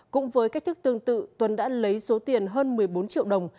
cũng với cách thức tương tự tuấn đã lấy số tiền hơn một mươi bốn triệu đồng